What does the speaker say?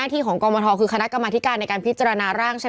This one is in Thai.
อ่าอ่าอ่าอ่าอ่าอ่าอ่าอ่าอ่าอ่า